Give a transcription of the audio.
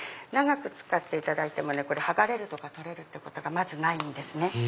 長く使っていただいても剥がれるとか取れるってことがまずないんですね。